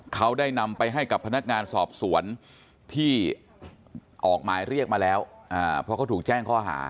เขาได้นำไปให้กับพนักงานสอบสวนที่ออกหมายเรียกมาแล้วเพราะเขาถูกแจ้งข้อหา